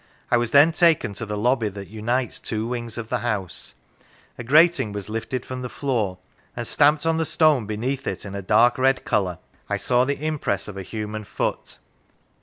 I was then taken to the lobby that unites two wings of the house : a grating was lifted from the floor : and stamped on the stone beneath it, in a dark red colour, I saw the impress of a human foot.